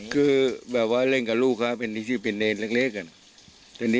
คือแบบว่า้อยเล่นกับลูกมันเป็นชีวิตเป็นเน่นเล็กกัน